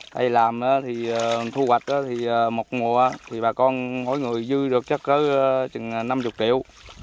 đây làm thì thu hoạch thì một mùa thì bà con mỗi người dư được chắc cỡ chừng năm mươi triệu